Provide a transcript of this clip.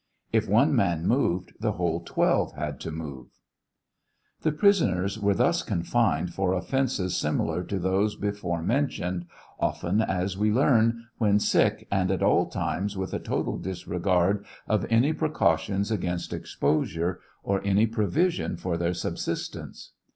If one man moved, the whole twelve had to move. The prisoners were thus confined, for offences similar to those before men tioned, often, as we learn, when sick, and at all times with a total disregard of any precautions against exposure, or any provision for their subsistence.